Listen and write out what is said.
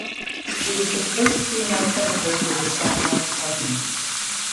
She was the first female senator for the Savoie department.